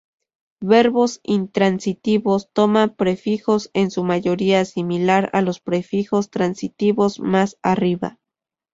Verbos intransitivos toman prefijos en su mayoría similar a los prefijos transitivos más arriba.